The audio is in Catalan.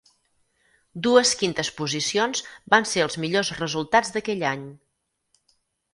Dues quintes posicions van ser els millors resultats d'aquell any.